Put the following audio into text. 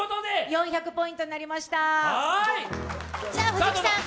４００ポイントになりました。